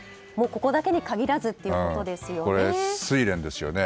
ここだけに限らずということですね。